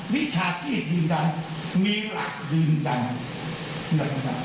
วิชาชีพดีจังมีหลักดีจัง